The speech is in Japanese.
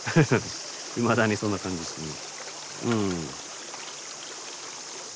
いまだにそんな感じですね。